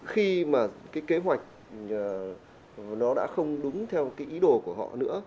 khi mà cái kế hoạch nó đã không đúng theo cái ý đồ của họ nữa